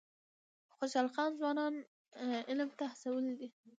خوشحال خان ځوانان علم ته هڅولي دي.